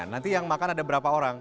nanti yang makan ada berapa orang